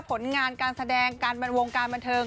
ผลงานการแสดงการบันวงการบันเทิง